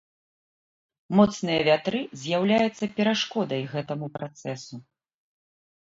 Моцныя вятры з'яўляюцца перашкодай гэтаму працэсу.